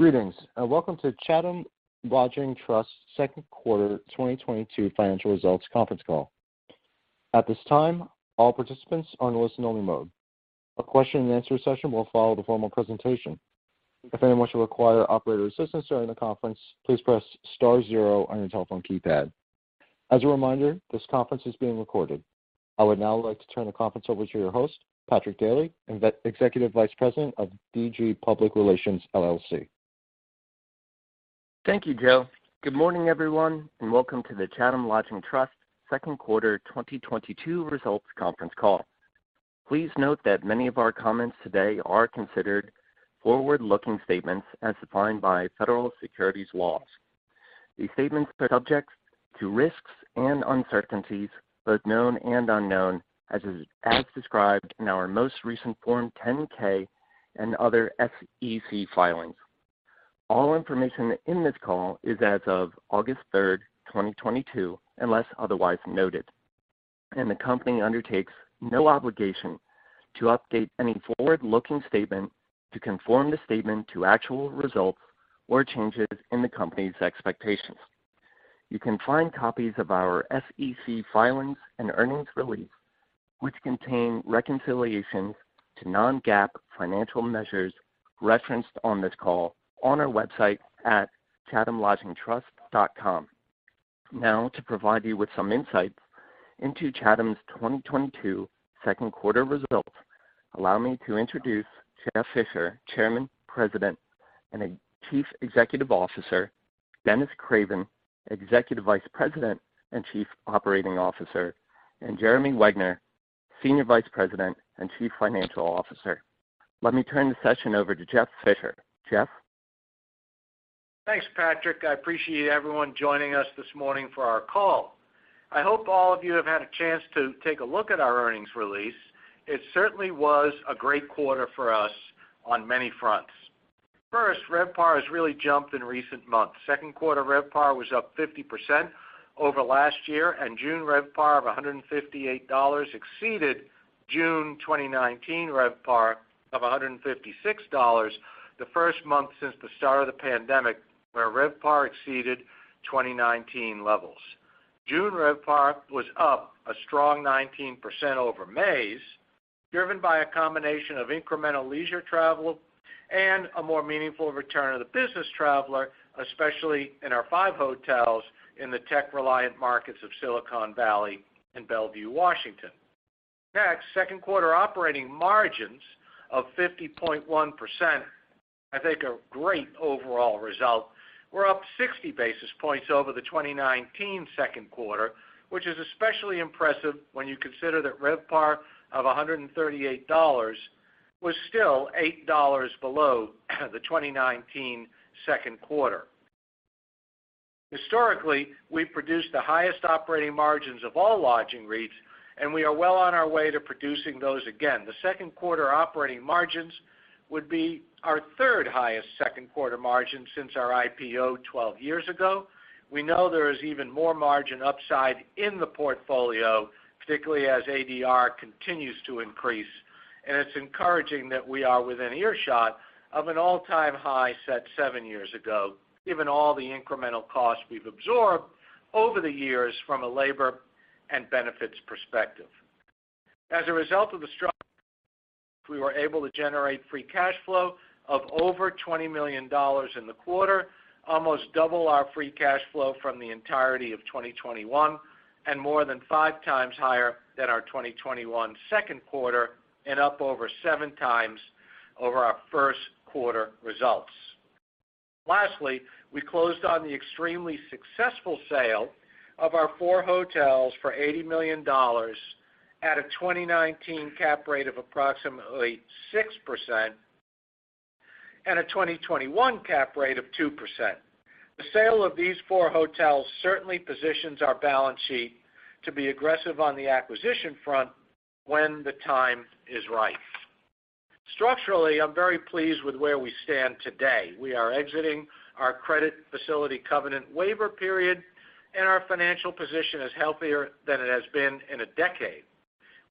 Greetings, and welcome to Chatham Lodging Trust's Second Quarter 2022 Financial Results Conference Call. At this time, all participants are in listen-only mode. A question-and-answer session will follow the formal presentation. If anyone should require operator assistance during the conference, please press star zero on your telephone keypad. As a reminder, this conference is being recorded. I would now like to turn the conference over to your host, Patrick Daly, Executive Vice President of DG Public Relations LLC. Thank you, Joe. Good morning, everyone, and welcome to the Chatham Lodging Trust second quarter 2022 results conference call. Please note that many of our comments today are considered forward-looking statements as defined by federal securities laws. These statements are subject to risks and uncertainties, both known and unknown, as described in our most recent Form 10-K and other SEC filings. All information in this call is as of August 3rd, 2022, unless otherwise noted, and the company undertakes no obligation to update any forward-looking statement to conform the statement to actual results or changes in the company's expectations. You can find copies of our SEC filings and earnings release, which contain reconciliations to non-GAAP financial measures referenced on this call on our website at chathamlodgingtrust.com. Now, to provide you with some insights into Chatham's 2022 second quarter results, allow me to introduce Jeff Fisher, Chairman, President, and Chief Executive Officer, Dennis Craven, Executive Vice President and Chief Operating Officer, and Jeremy Wegner, Senior Vice President and Chief Financial Officer. Let me turn the session over to Jeff Fisher. Jeff? Thanks, Patrick. I appreciate everyone joining us this morning for our call. I hope all of you have had a chance to take a look at our earnings release. It certainly was a great quarter for us on many fronts. First, RevPAR has really jumped in recent months. Second quarter RevPAR was up 50% over last year, and June RevPAR of $158 exceeded June 2019 RevPAR of $156, the first month since the start of the pandemic, where RevPAR exceeded 2019 levels. June RevPAR was up a strong 19% over May's, driven by a combination of incremental leisure travel and a more meaningful return of the business traveler, especially in our five hotels in the tech-reliant markets of Silicon Valley and Bellevue, Washington. Next, second quarter operating margins of 50.1%, I think are great overall result. We're up 60 basis points over the 2019 second quarter, which is especially impressive when you consider that RevPAR of $138 was still $8 below the 2019 second quarter. Historically, we've produced the highest operating margins of all lodging REITs, and we are well on our way to producing those again. The second quarter operating margins would be our third-highest second quarter margin since our IPO 12 years ago. We know there is even more margin upside in the portfolio, particularly as ADR continues to increase. It's encouraging that we are within earshot of an all-time high set seven years ago, given all the incremental costs we've absorbed over the years from a labor and benefits perspective. As a result of the strong [operating performance], we were able to generate free cash flow of over $20 million in the quarter, almost double our free cash flow from the entirety of 2021, and more than five times higher than our 2021 second quarter, and up over seven times over our first quarter results. Lastly, we closed on the extremely successful sale of our four hotels for $80 million at a 2019 cap rate of approximately 6% and a 2021 cap rate of 2%. The sale of these four hotels certainly positions our balance sheet to be aggressive on the acquisition front when the time is right. Structurally, I'm very pleased with where we stand today. We are exiting our credit facility covenant waiver period, and our financial position is healthier than it has been in a decade.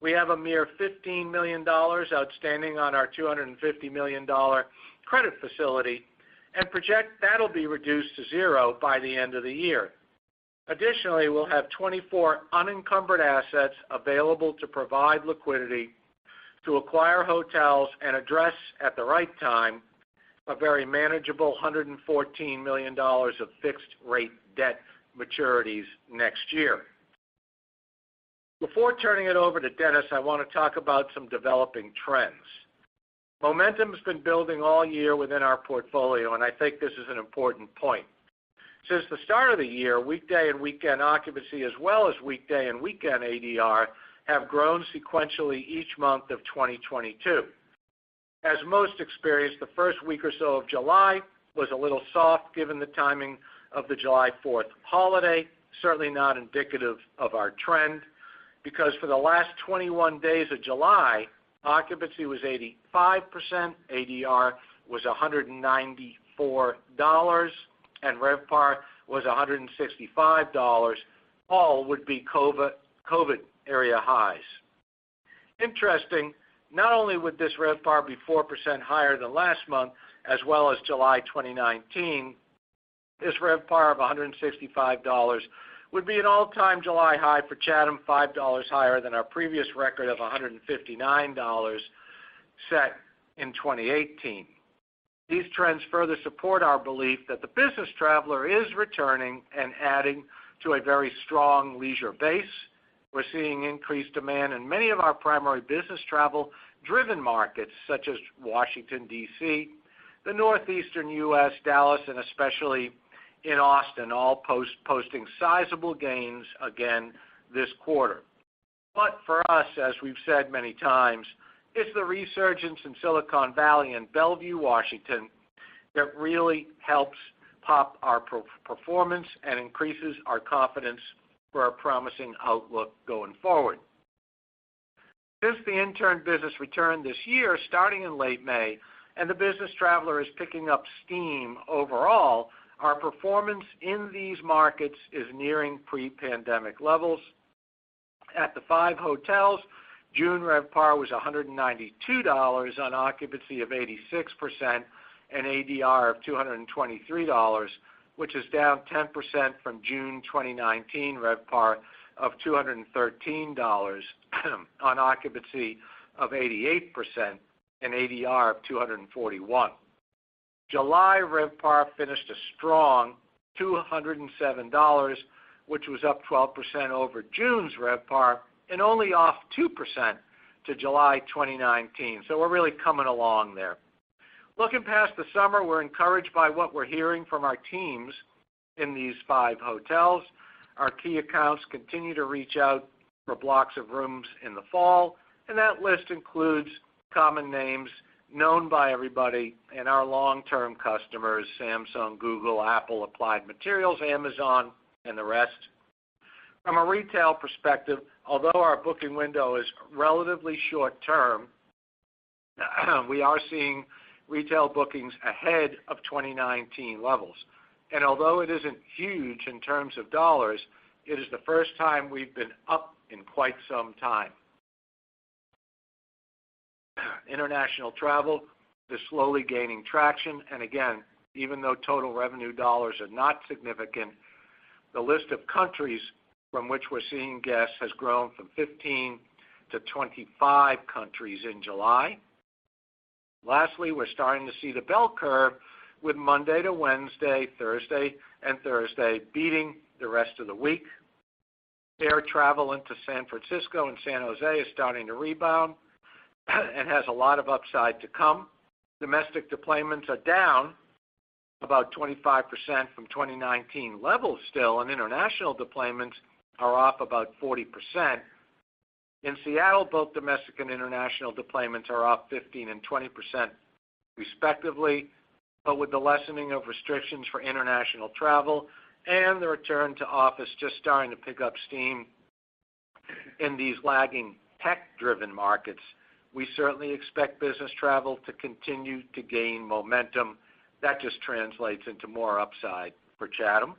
We have a mere $15 million outstanding on our $250 million credit facility and expect that'll be reduced to zero by the end of the year. Additionally, we'll have 24 unencumbered assets available to provide liquidity to acquire hotels and address, at the right time, a very manageable $114 million of fixed rate debt maturities next year. Before turning it over to Dennis, I want to talk about some developing trends. Momentum has been building all year within our portfolio, and I think this is an important point. Since the start of the year, weekday and weekend occupancy, as well as weekday and weekend ADR, have grown sequentially each month of 2022. As most expected, the first week or so of July was a little soft given the timing of the July 4th holiday. Certainly not indicative of our trend, because for the last 21 days of July, occupancy was 85%, ADR was $194, and RevPAR was $165. All would be COVID-era highs. Interesting, not only would this RevPAR be 4% higher than last month, as well as July 2019, this RevPAR of $165 would be an all-time July high for Chatham, $5 higher than our previous record of $159 set in 2018. These trends further support our belief that the business traveler is returning and adding to a very strong leisure base. We're seeing increased demand in many of our primary business travel-driven markets such as Washington, D.C., the Northeastern U.S., Dallas, and especially in Austin, all posting sizable gains again this quarter. For us, as we've said many times, it's the resurgence in Silicon Valley and Bellevue, Washington, that really helps pop our performance and increases our confidence for our promising outlook going forward. Since the intern business returned this year, starting in late May, and the business traveler is picking up steam overall, our performance in these markets is nearing pre-pandemic levels. At the five hotels, June RevPAR was $192 on occupancy of 86% and ADR of $223, which is down 10% from June 2019 RevPAR of $213 on occupancy of 88% and ADR of $241. July RevPAR finished a strong $207, which was up 12% over June's RevPAR and only off 2% from July 2019. We're really coming along there. Looking past the summer, we're encouraged by what we're hearing from our teams in these five hotels. Our key accounts continue to reach out for blocks of rooms in the fall, and that list includes common names known by everybody and our long-term customers, Samsung, Google, Apple, Applied Materials, Amazon, and the rest. From a retail perspective, although our booking window is relatively short term, we are seeing retail bookings ahead of 2019 levels. Although it isn't huge in terms of dollars, it is the first time we've been up in quite some time. International travel is slowly gaining traction, and again, even though total revenue dollars are not significant, the list of countries from which we're seeing guests has grown from 15-25 countries in July. Lastly, we're starting to see the bell curve with Monday to Wednesday, Thursday and Thursday beating the rest of the week. Air travel into San Francisco and San Jose is starting to rebound and has a lot of upside to come. Domestic deployments are down about 25% from 2019 levels still, and international deployments are off about 40%. In Seattle, both domestic and international deployments are off 15% and 20% respectively. With the lessening of restrictions for international travel and the return to office just starting to pick up steam in these lagging tech-driven markets, we certainly expect business travel to continue to gain momentum. That just translates into more upside for Chatham.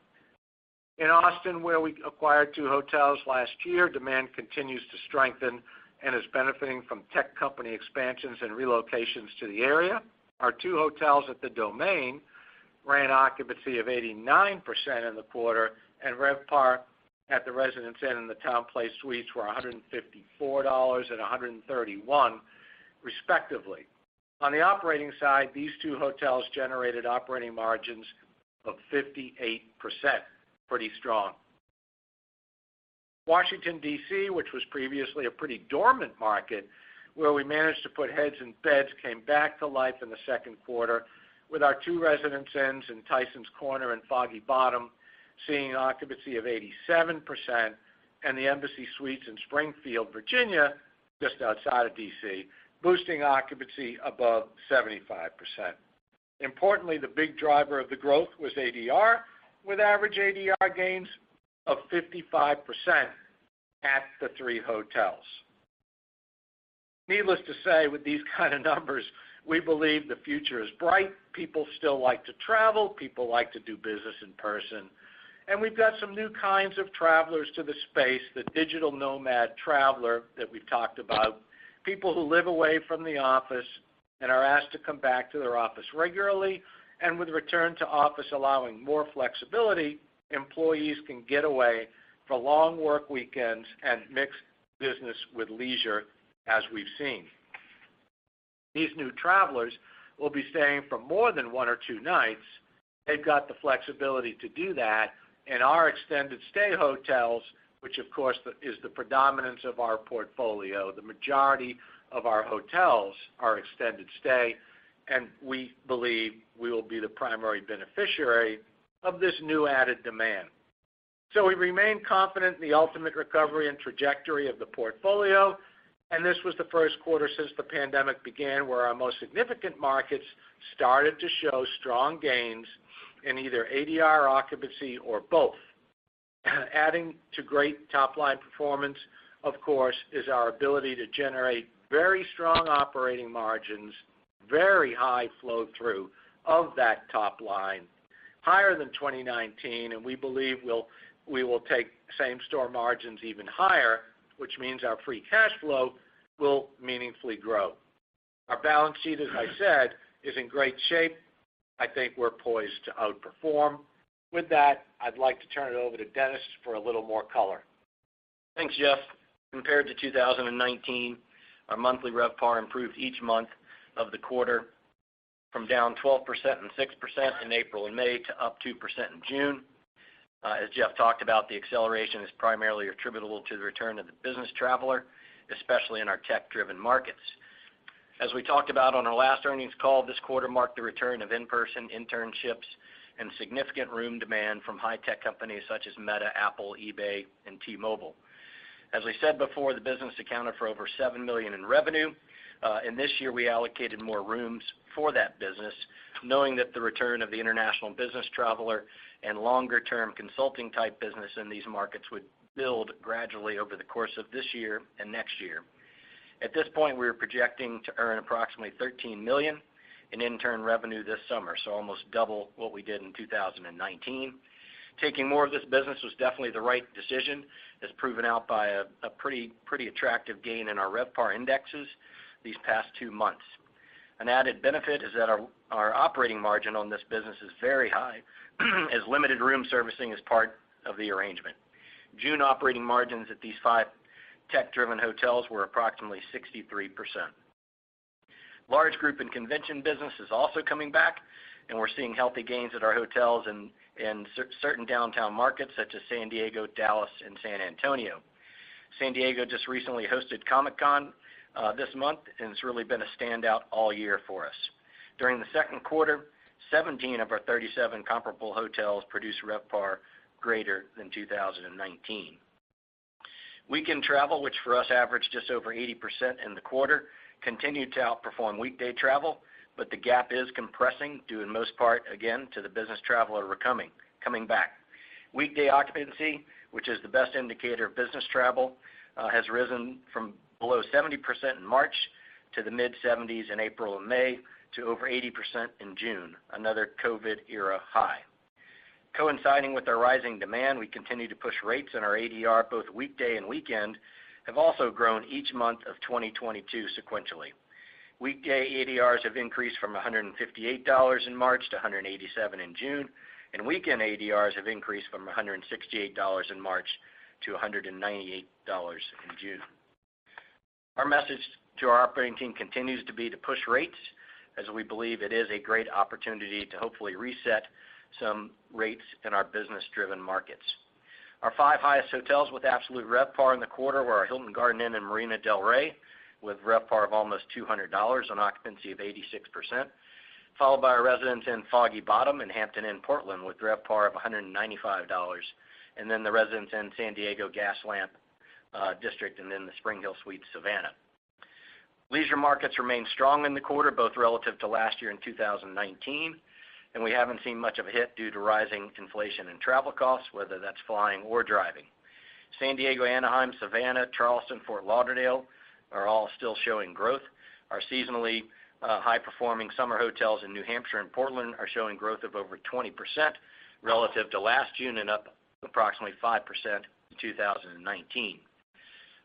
In Austin, where we acquired two hotels last year, demand continues to strengthen and is benefiting from tech company expansions and relocations to the area. Our two hotels at The Domain ran occupancy of 89% in the quarter, and RevPAR at the Residence Inn and the TownePlace Suites were $154 and $131 respectively. On the operating side, these two hotels generated operating margins of 58%. Pretty strong. Washington, D.C., which was previously a pretty dormant market, where we managed to put heads in beds, came back to life in the second quarter with our two Residence Inns in Tysons Corner and Foggy Bottom, seeing an occupancy of 87%, and the Embassy Suites in Springfield, Virginia, just outside of D.C., boosting occupancy above 75%. Importantly, the big driver of the growth was ADR, with average ADR gains of 55% at the three hotels. Needless to say, with these kind of numbers, we believe the future is bright. People still like to travel, people like to do business in person. We've got some new kinds of travelers to the space, the digital nomad traveler that we've talked about, people who live away from the office and are asked to come back to their office regularly. With return to office allowing more flexibility, employees can get away for long work weekends and mix business with leisure, as we've seen. These new travelers will be staying for more than one or two nights. They've got the flexibility to do that in our extended stay hotels, which of course, is the predominance of our portfolio. The majority of our hotels are extended-stay, and we believe we will be the primary beneficiary of this new added demand. We remain confident in the ultimate recovery and trajectory of the portfolio. This was the first quarter since the pandemic began where our most significant markets started to show strong gains in either ADR, occupancy, or both. Adding to great top-line performance, of course, is our ability to generate very strong operating margins, very high flow-through of that top line, higher than 2019, and we believe we will take same-store margins even higher, which means our free cash flow will meaningfully grow. Our balance sheet, as I said, is in great shape. I think we're poised to outperform. With that, I'd like to turn it over to Dennis for a little more color. Thanks, Jeff. Compared to 2019, our monthly RevPAR improved each month of the quarter from down 12% and 6% in April and May to up 2% in June. As Jeff talked about, the acceleration is primarily attributable to the return of the business traveler, especially in our tech-driven markets. As we talked about on our last earnings call, this quarter marked the return of in-person internships and significant room demand from high tech companies such as Meta, Apple, eBay, and T-Mobile. As I said before, the business accounted for over $7 million in revenue. This year, we allocated more rooms for that business, knowing that the return of the international business traveler and longer-term consulting type business in these markets would build gradually over the course of this year and next year. At this point, we are projecting to earn approximately $13 million in intern revenue this summer, so almost double what we did in 2019. Taking more of this business was definitely the right decision, as proven out by a pretty attractive gain in our RevPAR indexes these past two months. An added benefit is that our operating margin on this business is very high, as limited room servicing is part of the arrangement. June operating margins at these five tech-driven hotels were approximately 63%. Large group and convention business is also coming back, and we're seeing healthy gains at our hotels in certain downtown markets such as San Diego, Dallas, and San Antonio. San Diego just recently hosted Comic-Con this month, and it's really been a standout all year for us. During the second quarter, 17 of our 37 comparable hotels produced RevPAR greater than 2019. Weekend travel, which for us averaged just over 80% in the quarter, continued to outperform weekday travel, but the gap is compressing, due in most part, again, to the business traveler coming back. Weekday occupancy, which is the best indicator of business travel, has risen from below 70% in March to the mid-70%s in April and May to over 80% in June, another COVID era high. Coinciding with our rising demand, we continue to push rates in our ADR, both weekday and weekend, have also grown each month of 2022 sequentially. Weekday ADRs have increased from $158 in March to $187 in June, and weekend ADRs have increased from $168 in March to $198 in June. Our message to our operating team continues to be to push rates as we believe it is a great opportunity to hopefully reset some rates in our business-driven markets. Our five highest hotels with absolute RevPAR in the quarter were our Hilton Garden Inn Marina del Rey, with RevPAR of almost $200 on occupancy of 86%, followed by our Residence Inn Foggy Bottom and Hampton Inn Portland, with RevPAR of $195, and then the Residence Inn San Diego Gaslamp Quarter, and then the SpringHill Suites Savannah. Leisure markets remained strong in the quarter, both relative to last year in 2019, and we haven't seen much of a hit due to rising inflation and travel costs, whether that's flying or driving. San Diego, Anaheim, Savannah, Charleston, Fort Lauderdale are all still showing growth. Our seasonally high-performing summer hotels in New Hampshire and Portland are showing growth of over 20% relative to last June and up approximately 5% to 2019.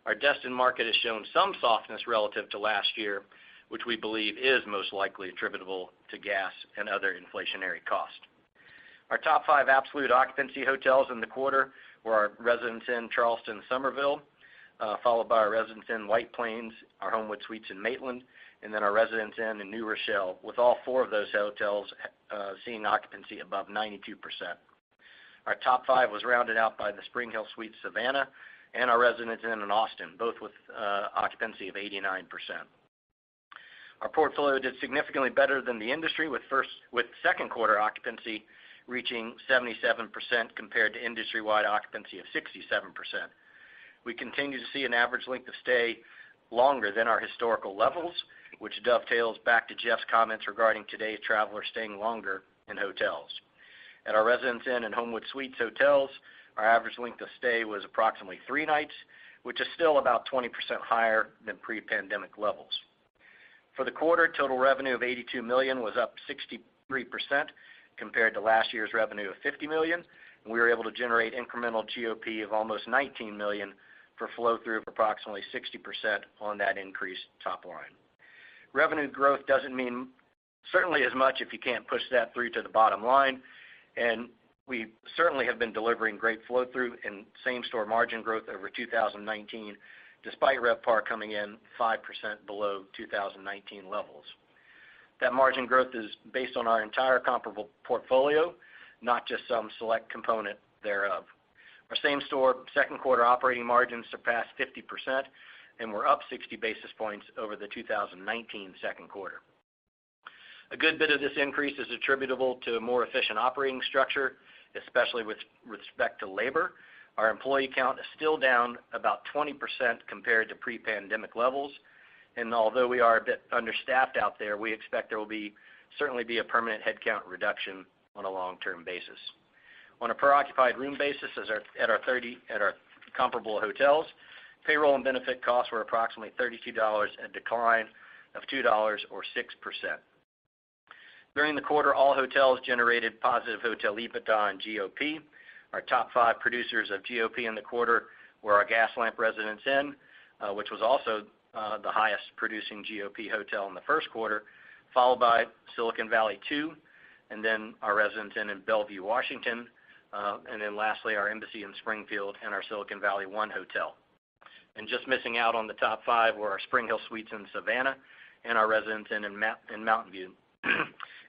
Our Destin market has shown some softness relative to last year, which we believe is most likely attributable to gas and other inflationary costs. Our top five absolute occupancy hotels in the quarter were our Residence Inn Charleston Summerville, followed by our Residence Inn White Plains, our Homewood Suites in Maitland, and then our Residence Inn in New Rochelle, with all four of those hotels seeing occupancy above 92%. Our top five was rounded out by the SpringHill Suites Savannah and our Residence Inn in Austin, both with occupancy of 89%. Our portfolio did significantly better than the industry with second quarter occupancy reaching 77% compared to industry-wide occupancy of 67%. We continue to see an average length of stay longer than our historical levels, which dovetails back to Jeff's comments regarding today's traveler staying longer in hotels. At our Residence Inn and Homewood Suites hotels, our average length of stay was approximately three nights, which is still about 20% higher than pre-pandemic levels. For the quarter, total revenue of $82 million was up 63% compared to last year's revenue of $50 million, and we were able to generate incremental GOP of almost $19 million for flow through of approximately 60% on that increased top line. Revenue growth doesn't mean certainly as much if you can't push that through to the bottom line, and we certainly have been delivering great flow through and same-store margin growth over 2019, despite RevPAR coming in 5% below 2019 levels. That margin growth is based on our entire comparable portfolio, not just some select component thereof. Our same-store second quarter operating margins surpassed 50% and were up 60 basis points over the 2019 second quarter. A good bit of this increase is attributable to a more efficient operating structure, especially with respect to labor. Our employee count is still down about 20% compared to pre-pandemic levels, and although we are a bit understaffed out there, we expect there will certainly be a permanent headcount reduction on a long-term basis. On a per occupied room basis at our comparable hotels, payroll and benefit costs were approximately $32, a decline of $2 or 6%. During the quarter, all hotels generated positive hotel EBITDA and GOP. Our top five producers of GOP in the quarter were our Gaslamp Residence Inn, which was also the highest producing GOP hotel in the first quarter, followed by Silicon Valley II, and then our Residence Inn in Bellevue, Washington, and then lastly, our Embassy in Springfield and our Silicon Valley I hotel. Just missing out on the top five were our SpringHill Suites in Savannah and our Residence Inn in Mountain View.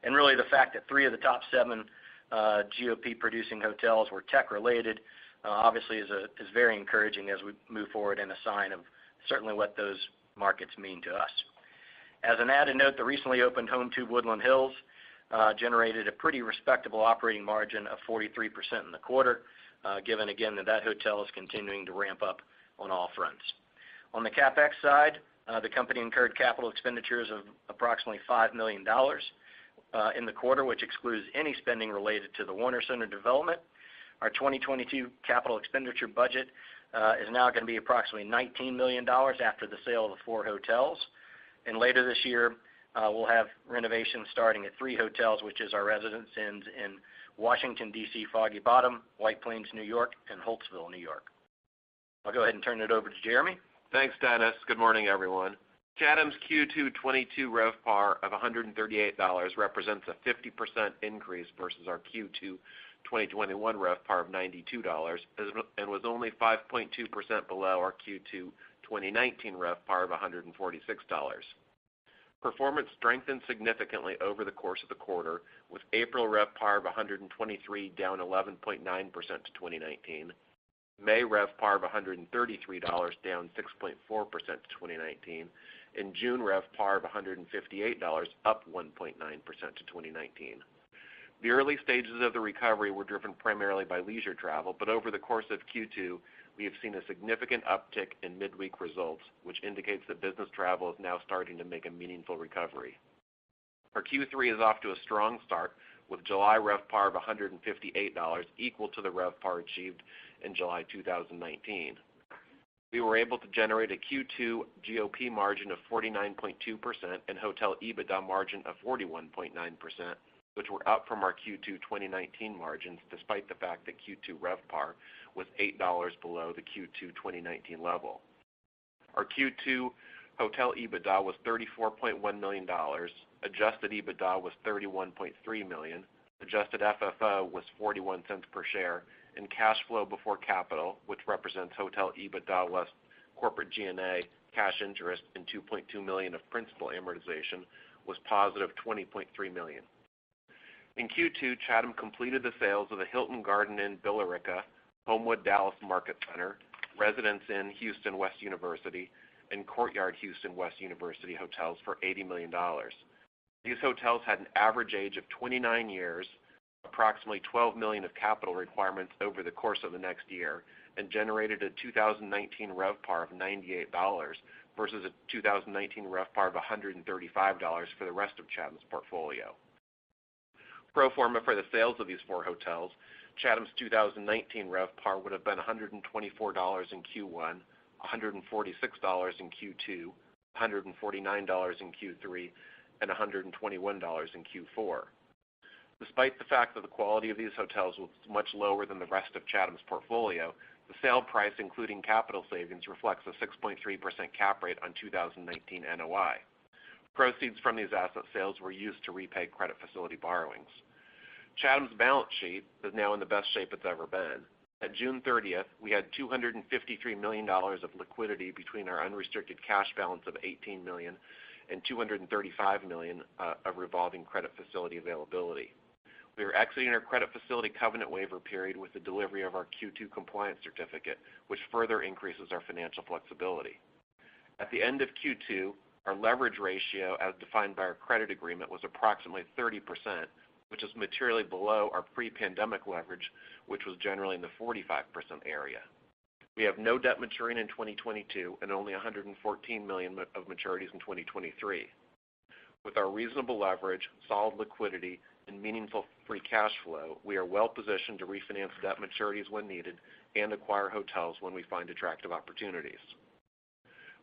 Really, the fact that three of the top seven GOP-producing hotels were tech-related obviously is very encouraging as we move forward, and a sign of certainly what those markets mean to us. As an added note, the recently opened Home2 Woodland Hills generated a pretty respectable operating margin of 43% in the quarter, given again that hotel is continuing to ramp up on all fronts. On the CapEx side, the company incurred capital expenditures of approximately $5 million in the quarter, which excludes any spending related to the Warner Center development. Our 2022 capital expenditure budget is now gonna be approximately $19 million after the sale of the four hotels. Later this year, we'll have renovations starting at three hotels, which is our Residence Inn in Washington, D.C., Foggy Bottom, White Plains, New York and Holtsville, New York. I'll go ahead and turn it over to Jeremy. Thanks, Dennis. Good morning, everyone. Chatham's Q2 2022 RevPAR of $138 represents a 50% increase versus our Q2 2021 RevPAR of $92, and was only 5.2% below our Q2 2019 RevPAR of $146. Performance strengthened significantly over the course of the quarter, with April RevPAR of $123, down 11.9% to 2019, May RevPAR of $133, down 6.4% to 2019, and June RevPAR of $158, up 1.9% to 2019. The early stages of the recovery were driven primarily by leisure travel, but over the course of Q2, we have seen a significant uptick in midweek results, which indicates that business travel is now starting to make a meaningful recovery. Our Q3 is off to a strong start, with July RevPAR of $158, equal to the RevPAR achieved in July 2019. We were able to generate a Q2 GOP margin of 49.2% and hotel EBITDA margin of 41.9%, which were up from our Q2 2019 margins, despite the fact that Q2 RevPAR was $8 below the Q2 2019 level. Our Q2 hotel EBITDA was $34.1 million. Adjusted EBITDA was $31.3 million. Adjusted FFO was $0.41 per share. Cash flow before capital, which represents hotel EBITDA less corporate G&A, cash interest, and $2.2 million of principal amortization, was +$20.3 million. In Q2, Chatham completed the sales of the Hilton Garden Inn Billerica, Homewood Dallas Market Center, Residence Inn Houston West University, and Courtyard Houston West University hotels for $80 million. These hotels had an average age of 29 years, approximately $12 million of capital requirements over the course of the next year, and generated a 2019 RevPAR of $98 versus a 2019 RevPAR of $135 for the rest of Chatham's portfolio. Pro forma for the sales of these four hotels, Chatham's 2019 RevPAR would have been $124 in Q1, $146 in Q2, $149 in Q3, and $121 in Q4. Despite the fact that the quality of these hotels was much lower than the rest of Chatham's portfolio, the sale price, including capital savings, reflects a 6.3% cap rate on 2019 NOI. Proceeds from these asset sales were used to repay credit facility borrowings. Chatham's balance sheet is now in the best shape it's ever been. At June 30th, we had $253 million of liquidity between our unrestricted cash balance of $18 million and $235 million of revolving credit facility availability. We are exiting our credit facility covenant waiver period with the delivery of our Q2 compliance certificate, which further increases our financial flexibility. At the end of Q2, our leverage ratio, as defined by our credit agreement, was approximately 30%, which is materially below our pre-pandemic leverage, which was generally in the 45% area. We have no debt maturing in 2022 and only $114 million of maturities in 2023. With our reasonable leverage, solid liquidity, and meaningful free cash flow, we are well-positioned to refinance debt maturities when needed and acquire hotels when we find attractive opportunities.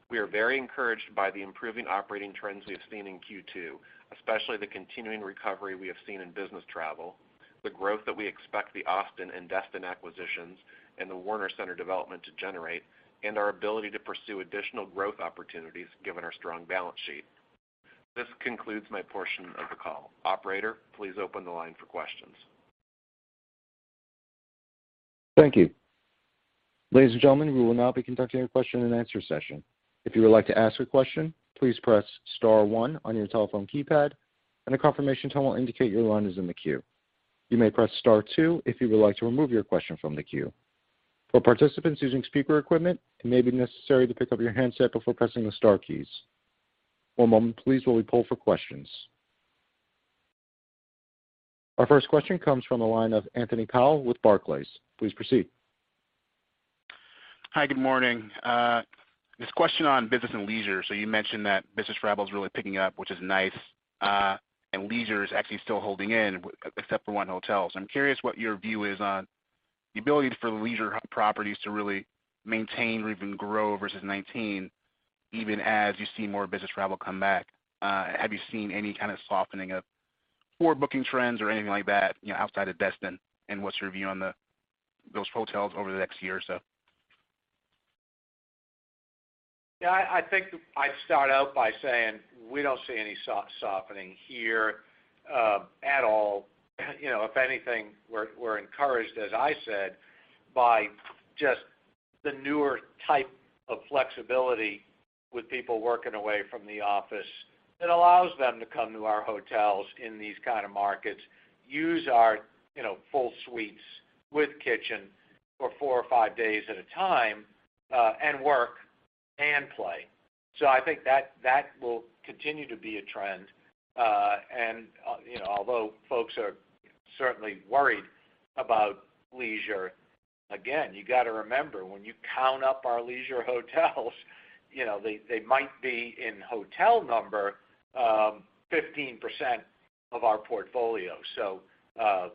We are very encouraged by the improving operating trends we have seen in Q2, especially the continuing recovery we have seen in business travel, the growth that we expect the Austin and Destin acquisitions and the Warner Center development to generate, and our ability to pursue additional growth opportunities given our strong balance sheet. This concludes my portion of the call. Operator, please open the line for questions. Thank you. Ladies and gentlemen, we will now be conducting a question-and-answer session. If you would like to ask a question, please press star one on your telephone keypad, and a confirmation tone will indicate your line is in the queue. You may press star two if you would like to remove your question from the queue. For participants using speaker equipment, it may be necessary to pick up your handset before pressing the star keys. One moment please while we poll for questions. Our first question comes from the line of Anthony Powell with Barclays. Please proceed. Hi, good morning. This question on business and leisure. You mentioned that business travel is really picking up, which is nice, and leisure is actually still holding in except for one hotel. I'm curious what your view is on the ability for leisure properties to really maintain or even grow versus 2019, even as you see more business travel come back. Have you seen any kind of softening of poor booking trends or anything like that, you know, outside of Destin? What's your view on those hotels over the next year or so? Yeah, I think I'd start out by saying we don't see any softening here at all. You know, if anything, we're encouraged, as I said, by just the newer type of flexibility with people working away from the office that allows them to come to our hotels in these kind of markets, use our, you know, full suites with kitchen for four or five days at a time, and work and play. I think that will continue to be a trend. You know, although folks are certainly worried about leisure, again, you gotta remember, when you count up our leisure hotels, you know, they might be in hotel number 15% of our portfolio.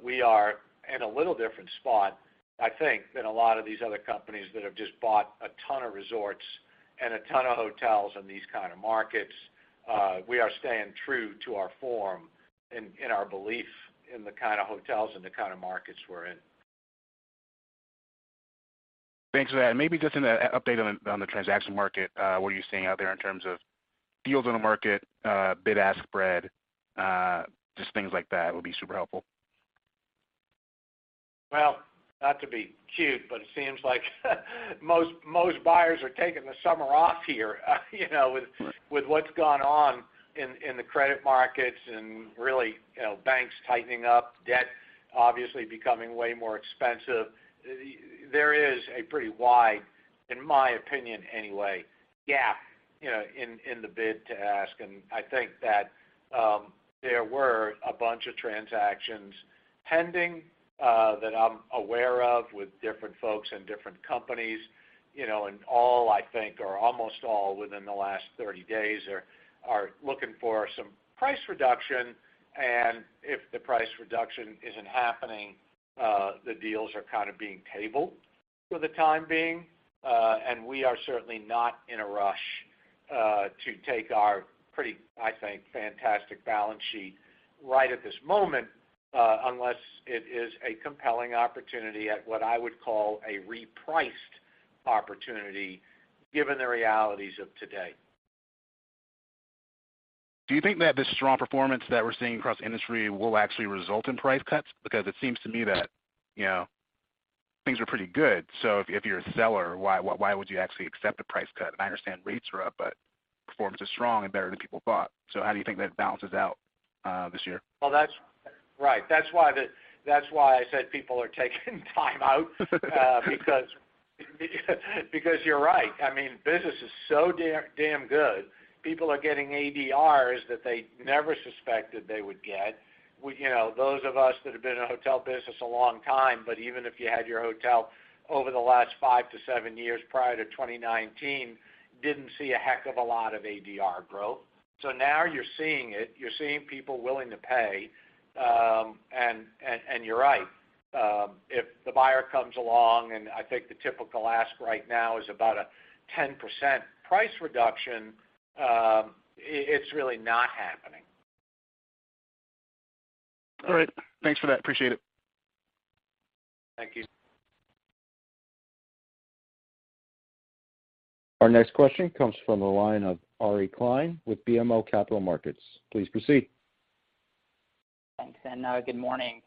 We are in a little different spot, I think, than a lot of these other companies that have just bought a ton of resorts and a ton of hotels in these kind of markets. We are staying true to our form and our belief in the kind of hotels and the kind of markets we're in. Thanks for that. Maybe just an update on the transaction market, what are you seeing out there in terms of deals on the market, bid-ask spread, just things like that would be super helpful. Well, not to be cute, but it seems like most buyers are taking the summer off here, you know, with what's gone on in the credit markets and really, you know, banks tightening up, debt obviously becoming way more expensive. There is a pretty wide, in my opinion anyway, gap, you know, in the bid to ask. I think that there were a bunch of transactions pending that I'm aware of with different folks and different companies, you know, and all I think, or almost all within the last 30 days are looking for some price reduction. If the price reduction isn't happening, the deals are kind of being tabled for the time being. We are certainly not in a rush to take our pretty, I think, fantastic balance sheet right at this moment, unless it is a compelling opportunity at what I would call a repriced opportunity given the realities of today. Do you think that the strong performance that we're seeing across the industry will actually result in price cuts? Because it seems to me that, you know, things are pretty good. If you're a seller, why would you actually accept a price cut? I understand rates are up, but performance is strong and better than people thought. How do you think that balances out this year? Well, that's right. That's why I said people are taking time out. Because you're right. I mean, business is so damn good. People are getting ADRs that they never suspected they would get. You know, those of us that have been in the hotel business a long time, but even if you had your hotel over the last five to seven years prior to 2019, didn't see a heck of a lot of ADR growth. Now you're seeing it, you're seeing people willing to pay, and you're right. If the buyer comes along, and I think the typical ask right now is about a 10% price reduction, it's really not happening. All right. Thanks for that. Appreciate it. Thank you. Our next question comes from the line of Ari Klein with BMO Capital Markets. Please proceed. Thanks, good morning.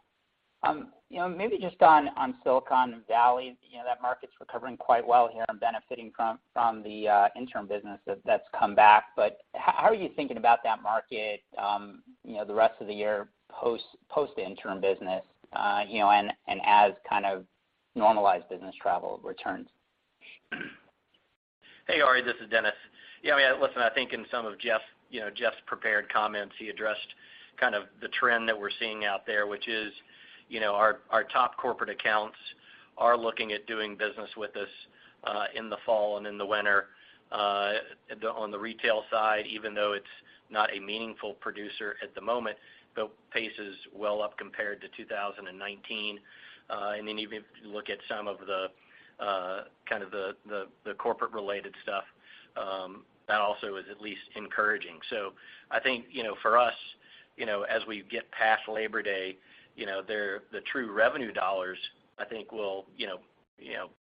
You know, maybe just on Silicon Valley, you know, that market's recovering quite well here and benefiting from the interim business that's come back. How are you thinking about that market, you know, the rest of the year post the interim business, you know, and as kind of normalized business travel returns? Hey, Ari, this is Dennis. Yeah, I mean, listen, I think in some of Jeff's, you know, Jeff's prepared comments, he addressed kind of the trend that we're seeing out there, which is, you know, our top corporate accounts are looking at doing business with us in the fall and in the winter. On the retail side, even though it's not a meaningful producer at the moment, the pace is well up compared to 2019. Even if you look at some of the kind of corporate related stuff, that also is at least encouraging. I think, you know, for us, you know, as we get past Labor Day, you know, the true revenue dollars, I think will, you know,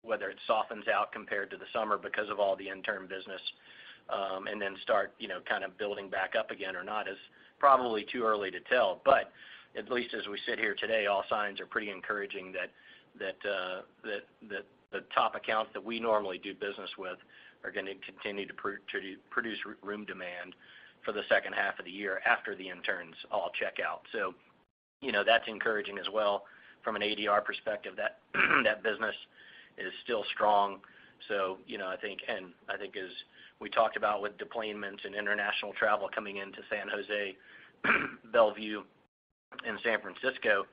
whether it softens out compared to the summer because of all the intern business, and then start, you know, kind of building back up again or not is probably too early to tell. At least as we sit here today, all signs are pretty encouraging that the top accounts that we normally do business with are gonna continue to produce room demand for the second half of the year after the interns all check out. That's encouraging as well from an ADR perspective that that business is still strong. You know, I think as we talked about with deplanements and international travel coming into San Jose, Bellevue, in San Francisco,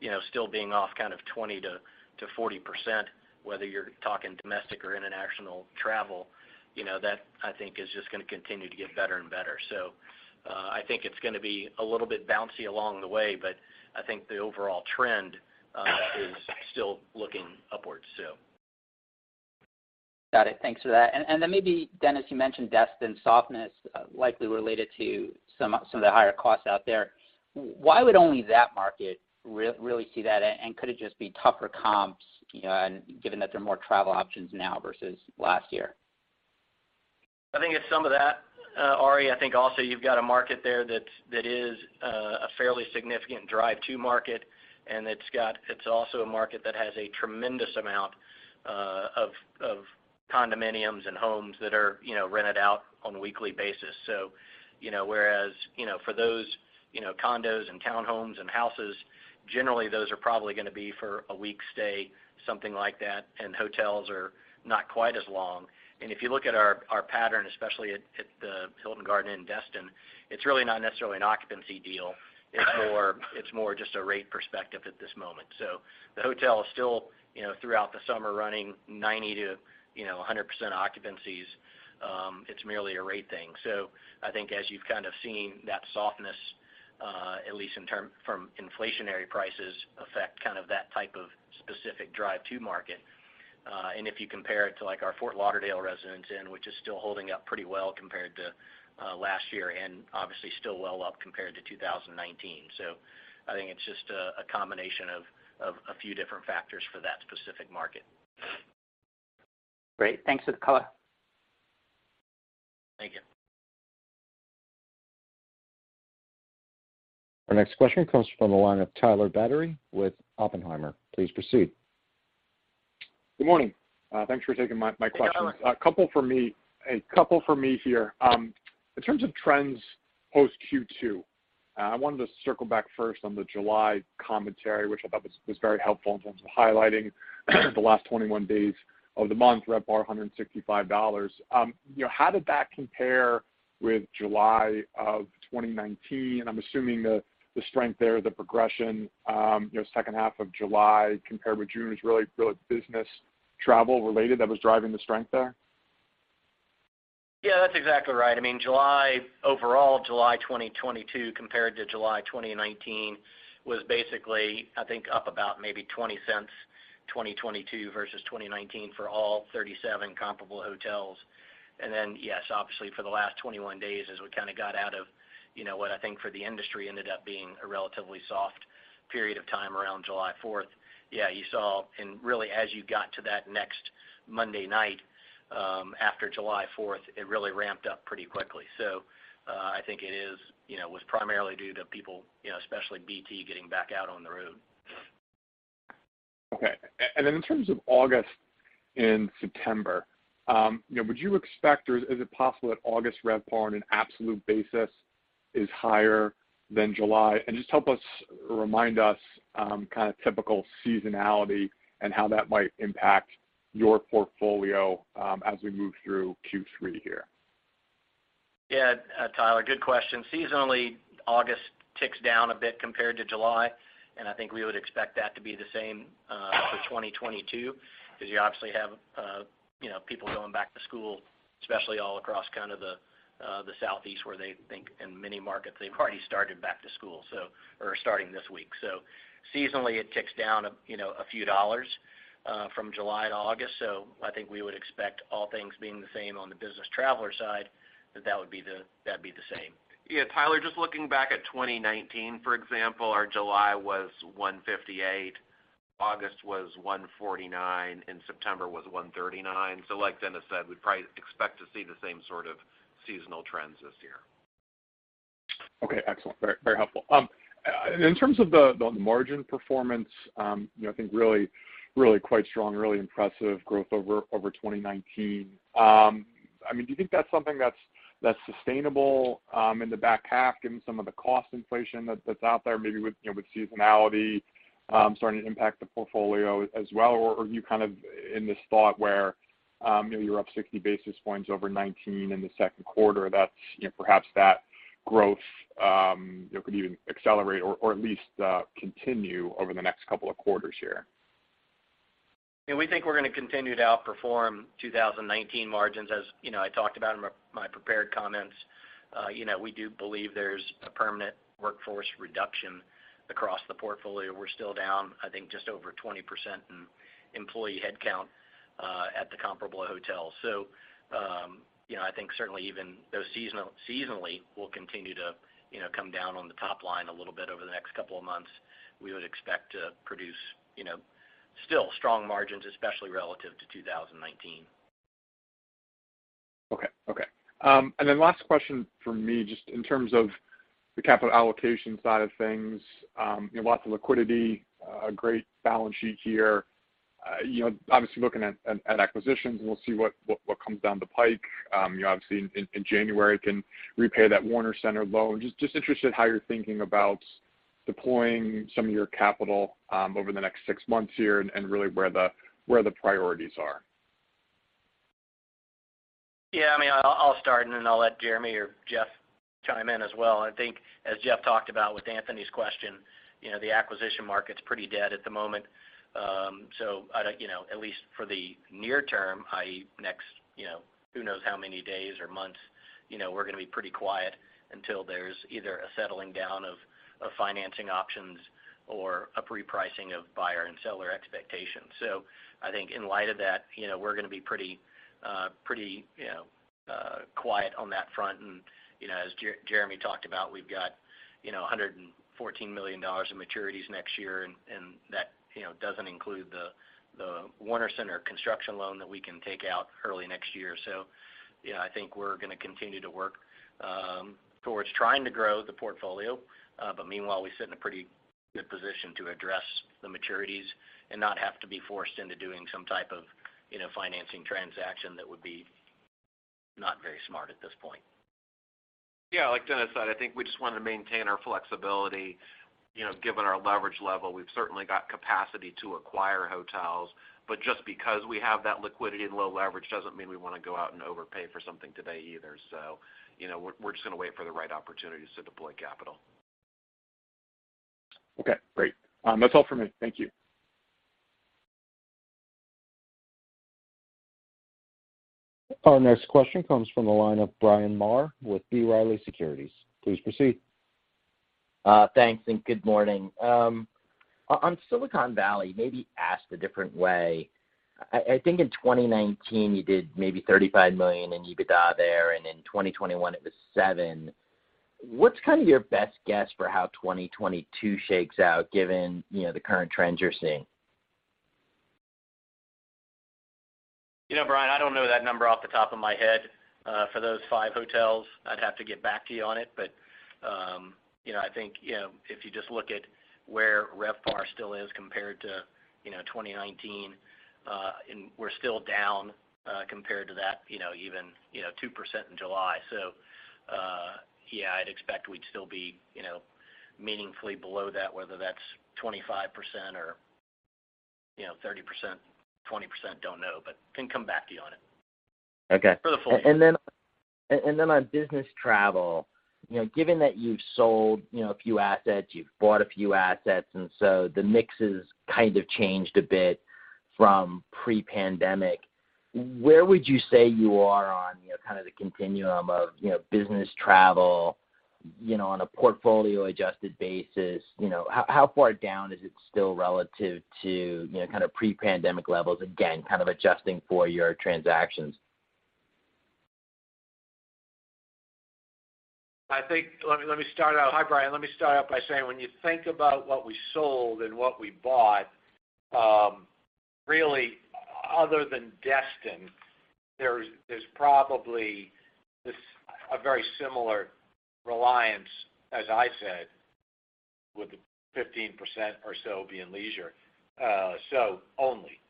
you know, still being off kind of 20%-40% whether you're talking domestic or international travel, you know, that I think is just gonna continue to get better and better. I think it's gonna be a little bit bouncy along the way, but I think the overall trend is still looking upwards. Got it. Thanks for that. Then maybe, Dennis, you mentioned Destin softness likely related to some of the higher costs out there. Why would only that market really see that, and could it just be tougher comps, you know, and given that there are more travel options now versus last year? I think it's some of that, Ari. I think also you've got a market there that's a fairly significant drive-to market, and it's got. It's also a market that has a tremendous amount of condominiums and homes that are, you know, rented out on a weekly basis. Whereas, you know, for those, you know, condos and townhomes and houses, generally, those are probably gonna be for a week's stay, something like that, and hotels are not quite as long. If you look at our pattern, especially at the Hilton Garden Inn Destin, it's really not necessarily an occupancy deal. It's more just a rate perspective at this moment. The hotel is still, you know, throughout the summer running 90%-100% occupancies. It's merely a rate thing. I think as you've kind of seen that softness, at least from inflationary pressures affecting kind of that type of specific drive-to market. If you compare it to, like, our Fort Lauderdale Residence Inn, which is still holding up pretty well compared to last year and obviously still well up compared to 2019. I think it's just a combination of a few different factors for that specific market. Great. Thanks for the color. Thank you. Our next question comes from the line of Tyler Batory with Oppenheimer. Please proceed. Good morning. Thanks for taking my questions. A couple from me here. In terms of trends post Q2, I wanted to circle back first on the July commentary, which I thought was very helpful in terms of highlighting the last 21 days of the month, RevPAR $165. You know, how did that compare with July of 2019? I'm assuming the strength there, the progression, you know, second half of July compared with June is really business travel related that was driving the strength there. Yeah, that's exactly right. I mean, Overall, July 2022 compared to July 2019 was basically, I think, up about maybe $0.20, 2022 versus 2019 for all 37 comparable hotels. Then, yes, obviously, for the last 21 days, as we kind of got out of, you know, what I think for the industry ended up being a relatively soft period of time around July 4th, you saw. Really, as you got to that next Monday night after July 4th, it really ramped up pretty quickly. I think it is, you know, was primarily due to people, you know, especially BT, getting back out on the road. Okay. And then in terms of August and September, you know, would you expect, or is it possible that August RevPAR on an absolute basis is higher than July? Just help us, remind us, kind of typical seasonality and how that might impact your portfolio, as we move through Q3 here. Yeah, Tyler, good question. Seasonally, August ticks down a bit compared to July, and I think we would expect that to be the same for 2022 because you obviously have, you know, people going back to school, especially all across kind of the Southeast where they think in many markets they've already started back to school, so, or starting this week. Seasonally, it ticks down a, you know, a few dollars from July to August. I think we would expect all things being the same on the business traveler side, that would be the same. Yeah, Tyler, just looking back at 2019, for example, our July was $158, August was $149, and September was $139. Like Dennis said, we'd probably expect to see the same sort of seasonal trends this year. Okay, excellent. Very helpful. In terms of the margin performance, you know, I think really quite strong, really impressive growth over 2019. I mean, do you think that's something that's sustainable in the back half given some of the cost inflation that's out there, maybe with, you know, with seasonality starting to impact the portfolio as well? Or are you kind of in this thought where, you know, you're up 60 basis points over 2019 in the second quarter, that's, you know, perhaps that growth, you know, could even accelerate or at least continue over the next couple of quarters here? Yeah, we think we're gonna continue to outperform 2019 margins. As you know, I talked about in my prepared comments, you know, we do believe there's a permanent workforce reduction across the portfolio. We're still down, I think, just over 20% in employee headcount at the comparable hotels. You know, I think certainly even though seasonally we'll continue to, you know, come down on the top line a little bit over the next couple of months, we would expect to produce, you know, still strong margins, especially relative to 2019. Okay. Okay. Then last question from me, just in terms of the capital allocation side of things. You know, lots of liquidity, great balance sheet here. You know, obviously looking at acquisitions, and we'll see what comes down the pike. You know, obviously in January can repay that Warner Center loan. Just interested how you're thinking about deploying some of your capital, over the next six months here and really where the priorities are. Yeah, I mean, I'll start, and then I'll let Jeremy or Jeff chime in as well. I think as Jeff talked about with Anthony's question, you know, the acquisition market's pretty dead at the moment. I don't, you know, at least for the near term, i.e., next, you know, who knows how many days or months, you know, we're gonna be pretty quiet until there's either a settling down of financing options or a repricing of buyer and seller expectations. I think in light of that, you know, we're gonna be pretty quiet on that front. You know, as Jeremy talked about, we've got, you know, $114 million in maturities next year, and that, you know, doesn't include the Warner Center construction loan that we can take out early next year. Yeah, I think we're gonna continue to work towards trying to grow the portfolio. Meanwhile, we sit in a pretty good position to address the maturities and not have to be forced into doing some type of, you know, financing transaction that would be not very smart at this point. Yeah, like Dennis said, I think we just wanna maintain our flexibility. You know, given our leverage level, we've certainly got capacity to acquire hotels, but just because we have that liquidity and low leverage doesn't mean we wanna go out and overpay for something today either. You know, we're just gonna wait for the right opportunities to deploy capital. Okay, great. That's all for me. Thank you. Our next question comes from the line of Bryan Maher with B. Riley Securities. Please proceed. Thanks, good morning. On Silicon Valley, maybe asked a different way, I think in 2019, you did maybe $35 million in EBITDA there, and in 2021 it was $7 million. What's kind of your best guess for how 2022 shakes out, given, you know, the current trends you're seeing? You know, Bryan, I don't know that number off the top of my head. For those five hotels, I'd have to get back to you on it. You know, I think, you know, if you just look at where RevPAR still is compared to, you know, 2019, and we're still down, compared to that, you know, even, you know, 2% in July. Yeah, I'd expect we'd still be, you know, meaningfully below that, whether that's 25% or, you know, 30%, 20%, don't know, but can come back to you on it. Okay. For the full year. On business travel, you know, given that you've sold, you know, a few assets, you've bought a few assets, and so the mix has kind of changed a bit from pre-pandemic, where would you say you are on, you know, kind of the continuum of, you know, business travel, you know, on a portfolio adjusted basis? You know, how far down is it still relative to, you know, kind of pre-pandemic levels? Again, kind of adjusting for your transactions. I think. Let me start out. Hi, Bryan. Let me start out by saying, when you think about what we sold and what we bought, really, other than Destin, there's probably a very similar reliance, as I said, with the 15% or so being leisure, so only.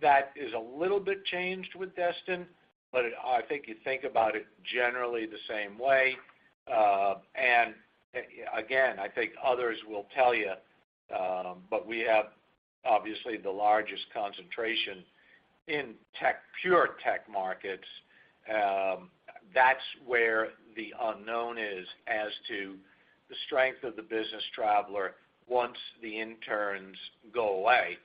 That is a little bit changed with Destin, but I think you think about it generally the same way. Again, I think others will tell you, but we have obviously the largest concentration in tech, pure tech markets. That's where the unknown is as to the strength of the business traveler once the interns go away.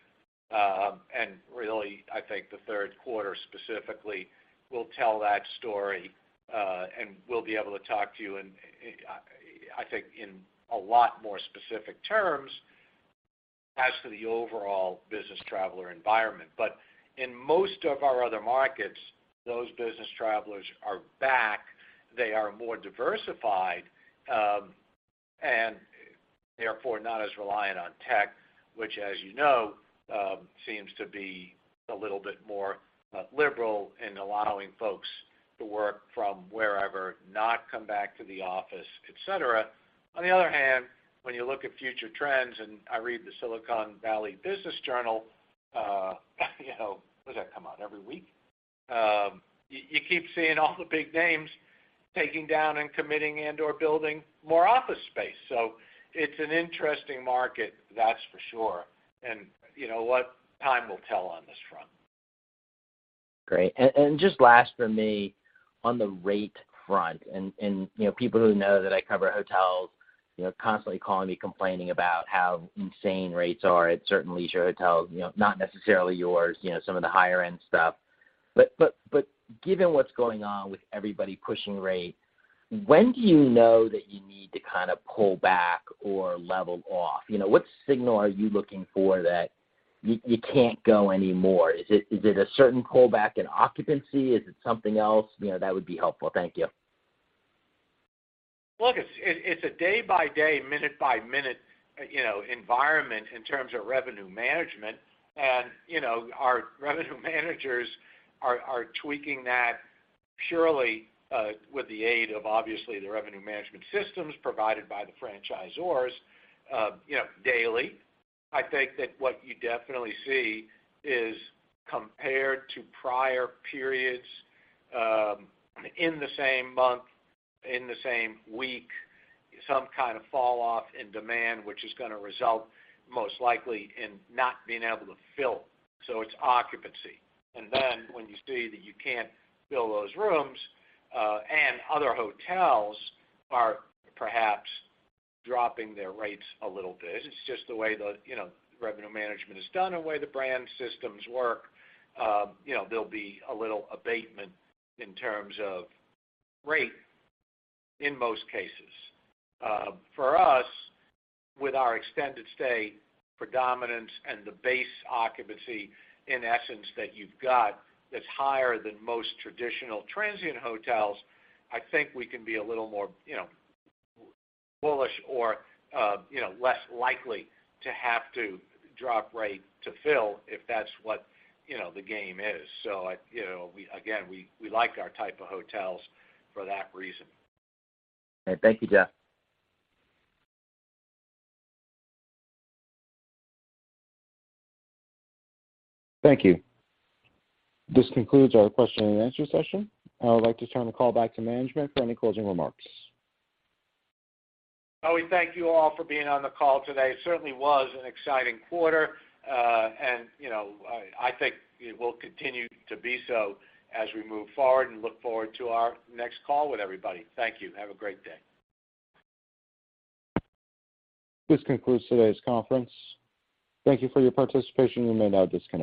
Really, I think the third quarter specifically will tell that story, and we'll be able to talk to you in I think in a lot more specific terms as to the overall business traveler environment. In most of our other markets, those business travelers are back. They are more diversified, and therefore not as reliant on tech, which, as you know, seems to be a little bit more liberal in allowing folks to work from wherever, not come back to the office, et cetera. On the other hand, when you look at future trends, and I read the Silicon Valley Business Journal, you know, does that come out every week? You keep seeing all the big names taking down and committing and/or building more office space. It's an interesting market, that's for sure, and, you know, what time will tell on this front. Great. Just last from me, on the rate front, and, you know, people who know that I cover hotels, you know, constantly calling me complaining about how insane rates are at certain leisure hotels, you know, not necessarily yours, you know, some of the higher end stuff. Given what's going on with everybody pushing rates, when do you know that you need to kind of pull back or level off? You know, what signal are you looking for that you can't go anymore? Is it a certain pullback in occupancy? Is it something else? You know, that would be helpful. Thank you. Look, it's a day-by-day, minute-by-minute, you know, environment in terms of revenue management. You know, our revenue managers are tweaking that purely with the aid of, obviously, the revenue management systems provided by the franchisors, you know, daily. I think that what you definitely see is, compared to prior periods, in the same month, in the same week, some kind of falloff in demand, which is gonna result most likely in not being able to fill, so it's occupancy. Then when you see that you can't fill those rooms, and other hotels are perhaps dropping their rates a little bit, it's just the way the, you know, revenue management is done and the way the brand systems work. You know, there'll be a little abatement in terms of rate in most cases. For us, with our extended stay predominance and the base occupancy, in essence, that you've got that's higher than most traditional transient hotels, I think we can be a little more, you know, bullish or, you know, less likely to have to drop rate to fill, if that's what, you know, the game is. You know, we again, we like our type of hotels for that reason. All right. Thank you, Jeff. Thank you. This concludes our question-and-answer session. I would like to turn the call back to management for any closing remarks. Well, we thank you all for being on the call today. Certainly was an exciting quarter. You know, I think it will continue to be so as we move forward, and look forward to our next call with everybody. Thank you. Have a great day. This concludes today's conference. Thank you for your participation. You may now disconnect.